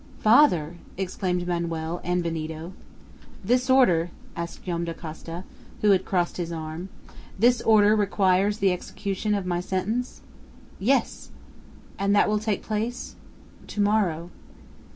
"Father!" exclaimed Manoel and Benito. "This order," asked Joam Dacosta, who had crossed his arms, "this order requires the execution of my sentence?" "Yes!" "And that will take place?" "To morrow."